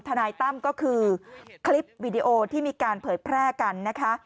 นายตั้มก็คือคลิปวีดีโอที่มีการเผยแพร่กันนะคะ